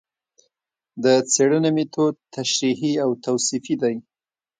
د څېړنې مېتود تشریحي او توصیفي دی